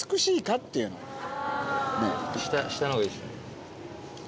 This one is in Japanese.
下のほうがいいですよね。